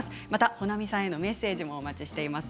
保奈美さんへのメッセージもお待ちしています。